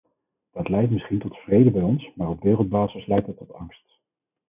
Dat leidt misschien tot vrede bij ons, maar op wereldbasis leidt het tot angst.